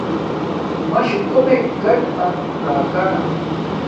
ماشُو کومک گاٹتا راکانا